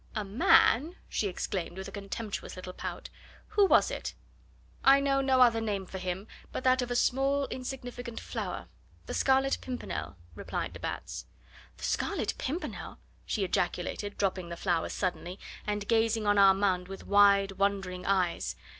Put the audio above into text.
"A man!" she exclaimed, with a contemptuous little pout. "Who was it?" "I know no other name for him but that of a small, insignificant flower the Scarlet Pimpernel," replied de Batz. "The Scarlet Pimpernel!" she ejaculated, dropping the flowers suddenly, and gazing on Armand with wide, wondering eyes.